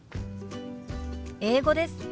英語です。